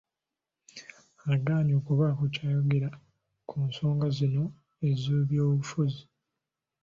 Agaanye okubaako ky'ayogera ku nsonga zino ez'ebyobufuzi.